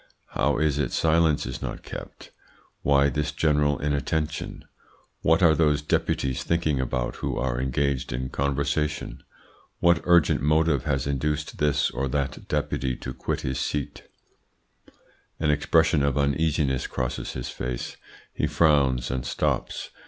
"How is it silence is not kept? Why this general inattention? What are those Deputies thinking about who are engaged in conversation? What urgent motive has induced this or that Deputy to quit his seat? "An expression of uneasiness crosses his face; he frowns and stops.